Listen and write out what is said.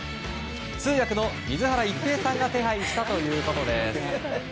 通訳の水原一平さんが手配したということです。